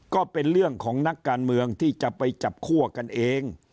ก็เป็นเรื่องของนักการเมืองที่จะไปจับคั่วกันเอง